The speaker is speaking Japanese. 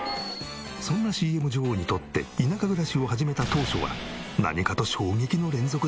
そんなＣＭ女王にとって田舎暮らしを始めた当初は何かと衝撃の連続だったそうで。